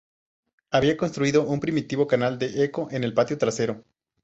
Había construido un primitivo canal de eco en el patio trasero.